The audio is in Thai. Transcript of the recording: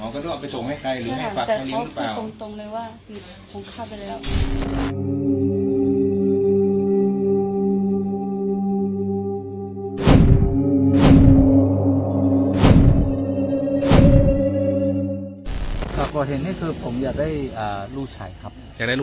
เขาบอกว่าได้มาอยู่แล้วมันก็พี่มาเอาก่อไปส่งให้ใคร